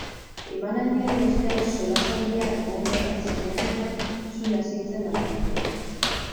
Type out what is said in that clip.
Emanaldiaren ostean solasaldia egongo da, saiatu da zu lasaitzen langilea.